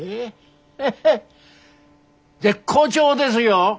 ヘヘ絶好調ですよ！